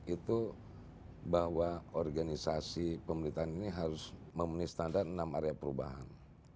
itu bahwa organisasi pemerintahan ini harus memenuhi standar enam area perubahan